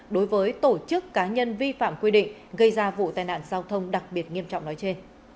đối với tổ chức cá nhân vi phạm quy định gây ra vụ tai nạn giao thông đặc biệt nghiêm trọng nói chê